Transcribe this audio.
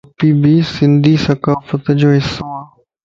سنڌي ٽوپي بي سنڌي ثقافت جو حصو ائي.